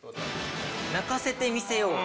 鳴かせてみせよう。